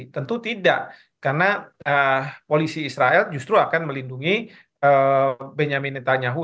tentu tidak karena polisi israel justru akan melindungi benyamin netanyahu